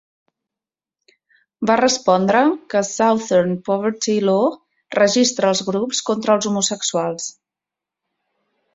Va respondre que Southern Poverty Law registra els grups contra els homosexuals.